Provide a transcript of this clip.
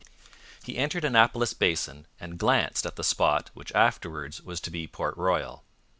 He entered Annapolis Basin and glanced at the spot which afterwards was to be Port Royal.